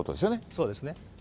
そうです。